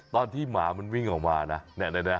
ตอนที่หมามันวิ่งออกมานะ